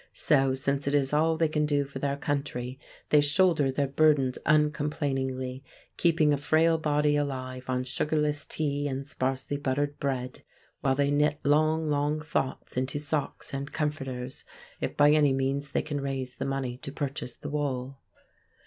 So, since it is all they can do for their country, they shoulder their burdens uncomplainingly, keeping a frail body alive on sugarless tea and sparsely buttered bread, while they knit long, long thoughts into socks and comforters, if by any means they can raise the money to purchase the wool.